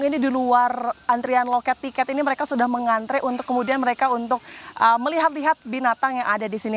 ini di luar antrian loket tiket ini mereka sudah mengantre untuk kemudian mereka untuk melihat lihat binatang yang ada di sini